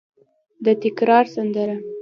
د تکرار سندره